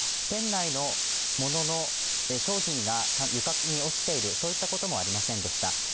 店内の物の商品が床に落ちているそういったこともありませんでした。